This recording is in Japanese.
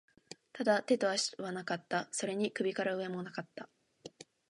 ただ、手と足はなかった。それに首から上も無かった。